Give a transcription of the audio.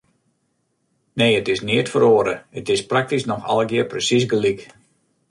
Nee, it is neat feroare, it is praktysk noch allegear presiis gelyk.